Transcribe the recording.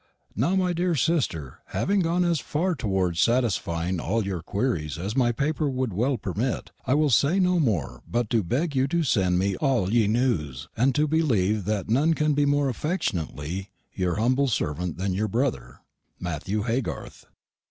Now, my deare sister, having gone as farr towards satisfieing all y'r queerys as my paper wou'd welle permitt, I will say no more but to begg you to send me all ye knews, and to believe that none can be more affectionately y'r humble servant than your brother. "MATHEW HAYGARTH."